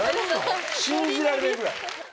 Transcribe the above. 信じられないぐらい。